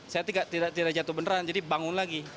saya tidak jatuh beneran jadi bangun lagi